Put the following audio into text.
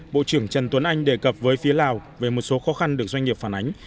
bộ trưởng trần tuấn anh đề cập với phía lào về một số khó khăn được doanh nghiệp phản ánh